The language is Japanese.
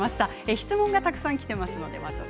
質問がたくさんきています。